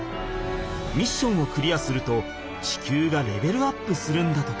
ミッションをクリアすると地球がレベルアップするんだとか。